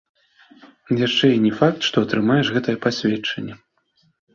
Яшчэ і не факт, што атрымаеш гэтае пасведчанне.